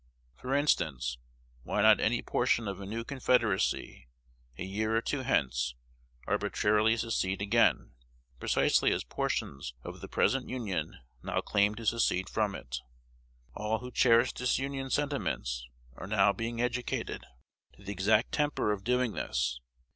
For instance, why not any portion of a new confederacy, a year or two hence, arbitrarily secede again, precisely as portions of the present Union now claim to secede from it? All who cherish disunion sentiments are now being educated to the exact temper of doing this.